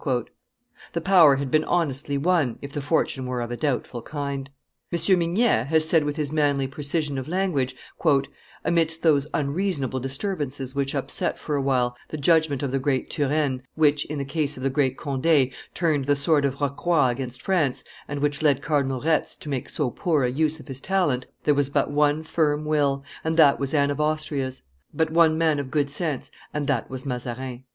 The power had been honestly won, if the fortune were of a doubtful kind. M. Mignet has said with his manly precision of language, "Amidst those unreasonable disturbances which upset for a while the judgment of the great Turenne, which, in the case of the great Conde, turned the sword of Rocroi against France, and which led Cardinal Retz to make so poor a use of his talent, there was but one firm will, and that was Anne of Austria's; but one man of good sense, and that was Mazarin."